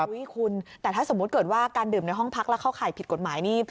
คุณแต่ถ้าสมมุติเกิดว่าการดื่มในห้องพักแล้วเข้าข่ายผิดกฎหมายนี่